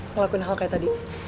ngelakuin hal kayak tadi